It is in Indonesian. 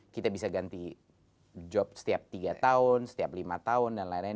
kita bisa ganti job setiap tiga tahun setiap lima tahun dan lain lain